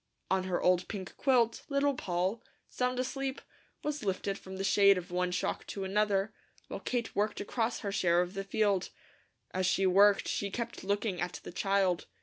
On her old pink quilt Little Poll, sound asleep, was lifted from the shade of one shock to another, while Kate worked across her share of the field. As she worked she kept looking at the child.